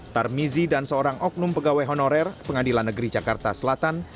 tarmizi dan seorang oknum pegawai honorer pengadilan negeri jakarta selatan